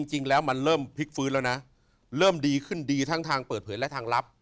จริงแล้วมันเริ่มพลิกฟื้นแล้วนะเริ่มดีขึ้นดีทั้งทางเปิดเผยและทางลับ